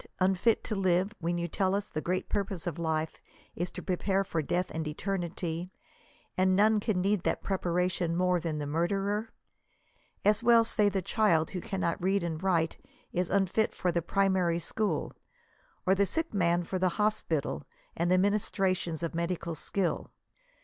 unfit to live, when you tell us the great purpose of life is to prepare for death and eternity, and none can need that preparation more than the murderer ! As well say the child who cannot read and write is unfit for 4he primary school, or the sick man for the hospital, and the minis trations of medical skill.